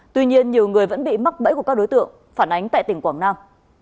tuy nhiên nhiều người vẫn bị mắc bẫy của các đối tượng phản ánh tại tỉnh quảng nam